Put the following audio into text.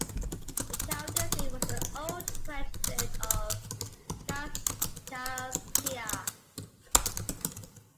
The county seat was the old French village of Kaskaskia.